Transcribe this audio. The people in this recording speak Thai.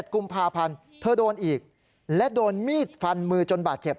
กุมภาพันธ์เธอโดนอีกและโดนมีดฟันมือจนบาดเจ็บ